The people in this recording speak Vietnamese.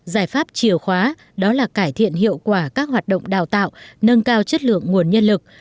giải pháp chiều khóa đó là cải thiện hiệu quả các hoạt động đào tạo nâng cao chất lượng nguồn nhân lực